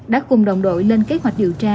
đã cùng đồng đội lên kế hoạch điều tra